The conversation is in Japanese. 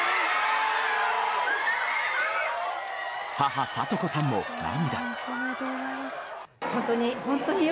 母・聡子さんも涙。